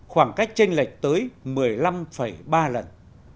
khoảng cách tranh lệch tới một mươi năm ba lần